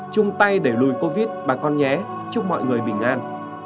chung tay đẩy lùi covid bà con nhé chúc mọi người bình an